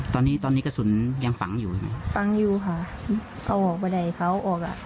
ตอนนี้ตอนนี้กระสุนยังฝังอยู่ใช่ไหมฝังอยู่ค่ะเอาออกไปได้เขาออกอ่ะ